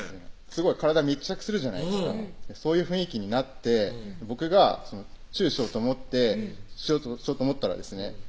すごい体密着するじゃないですかそういう雰囲気になって僕がチューしようと思ってしようと思ったらですね